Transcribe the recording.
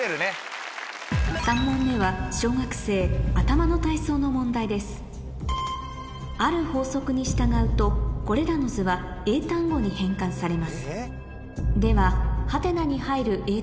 ３問目は小学生の問題ですある法則に従うとこれらの図は英単語に変換されます